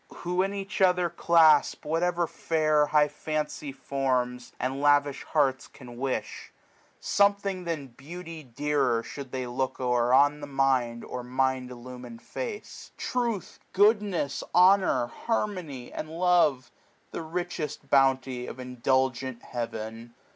Wh^ in each other clasp whatever fair SPRING. High fancy forms, and lavish hearts can wish; Something than beauty dearer, should they look Or on the mind, or mind illumin*d fece ; Truth, goodness, honour, harmony, and love, 1 14a. The richest bounty of indulgent Heaven.